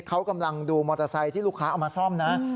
เขากำลังดูมอเตอร์ไซค์ที่ลูกค้าเอามาซ่อมนะ